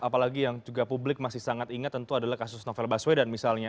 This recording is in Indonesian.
apalagi yang juga publik masih sangat ingat tentu adalah kasus novel baswedan misalnya